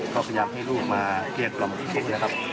เขาพยายามให้ลูกมาเปลี่ยนกล่อมทุกข์นะครับ